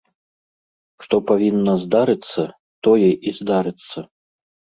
Што павінна здарыцца, тое і здарыцца.